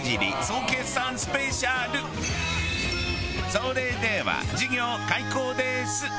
それでは授業開講です！